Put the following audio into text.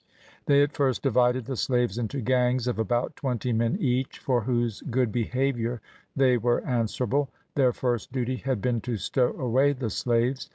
They at first divided the slaves into gangs of about twenty men each, for whose good behaviour they were answerable; their first duty had been to stow away the slaves.